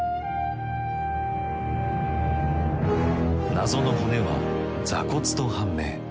謎の骨は座骨と判明。